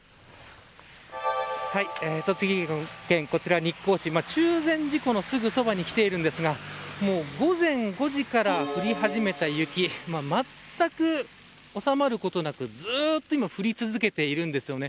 栃木県日光市中禅寺湖のすぐそばに来ているんですがもう午前５時から降り始めた雪まったく収まることなくずっと今降り続けているんですよね。